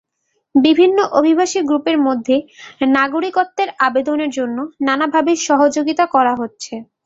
বিভিন্ন অভিবাসী গ্রুপের মধ্যে নাগরিকত্বের আবেদনের জন্য নানাভাবে সহযোগিতা করা হচ্ছে।